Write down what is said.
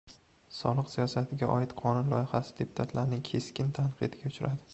Soliq siyosatiga oid qonun loyihasi deputatlarning keskin tanqidiga uchradi